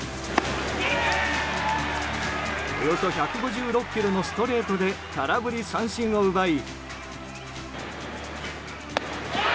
およそ１５６キロのストレートで空振り三振を奪い。